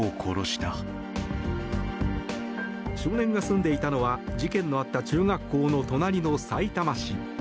少年が住んでいたのは事件のあった中学校の隣のさいたま市。